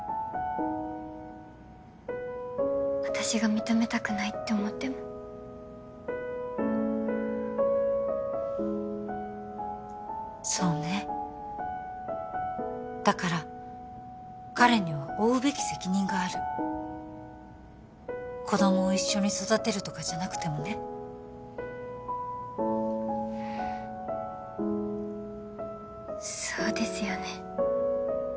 私が認めたくないって思ってもそうねだから彼には負うべき責任がある子どもを一緒に育てるとかじゃなくてもねそうですよね